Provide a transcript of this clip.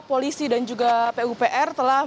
polisi dan juga pupr telah